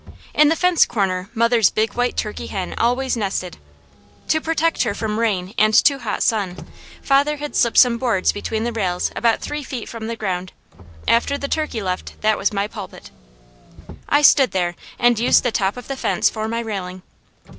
In the fence corner mother's big white turkey hen always nested. To protect her from rain and too hot sun, father had slipped some boards between the rails about three feet from the ground. After the turkey left, that was my pulpit. I stood there and used the top of the fence for my railing.